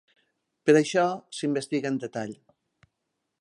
Per això, s’investiga en detall.